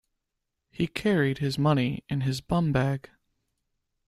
He carried his money in his bumbag